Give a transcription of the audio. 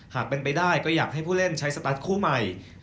หากเป็นไปได้ก็อยากให้ผู้เล่นใช้สตาร์ทคู่ใหม่